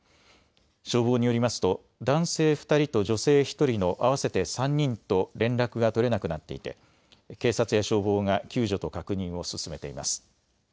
消防によりますと男性２人と女性１人の合わせて３人と連絡が取れなくなっていて警察や消防が救助と確認を進めています。